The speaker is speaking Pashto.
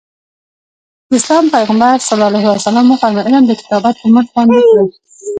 د اسلام پیغمبر ص وفرمایل علم د کتابت په مټ خوندي کړئ.